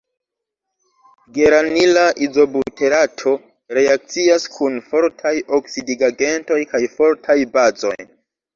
Geranila izobuterato reakcias kun fortaj oksidigagentoj kaj fortaj bazoj.